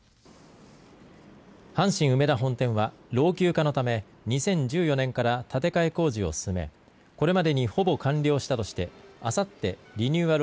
阪神梅田本店は老朽化のため２０１４年から建て替え工事を進めこれまでにほぼ完了したとしてあさって、リニューアル